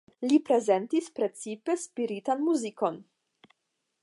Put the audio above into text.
Li prezentis precipe spiritan muzikon.